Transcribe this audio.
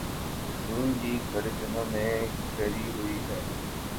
نون league برے دنوں میں گھری ہوئی ہے۔